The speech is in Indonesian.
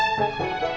udah mau ke rumah